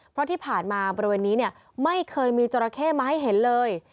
เพราะที่ผ่านมาบริเวณนี้ไม่เคยมีจราเข้มาให้เห็นเลย